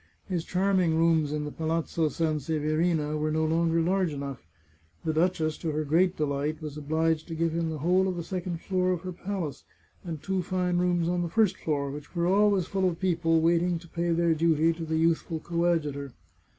His charming rooms in the Palazzo Sanseverina were no longer large enough. The duchess, to her great delight, was obliged to give him the whole of the second floor of her palace, and two fine rooms on the first floor, which were always full of people waiting to pay their duty to the youth ful coadjutor.